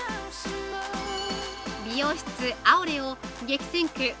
美容室「アオレ」を激戦区